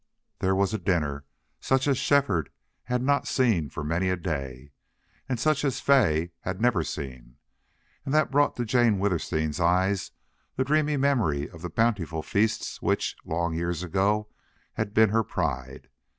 There was a dinner such as Shefford had not seen for many a day, and such as Fay had never seen, and that brought to Jane Withersteen's eyes the dreamy memory of the bountiful feasts which, long years ago, had been her pride.